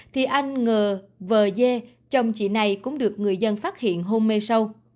thì anh ngờ vờ dê chồng chị này cũng được người dân phát hiện hôn mê sâu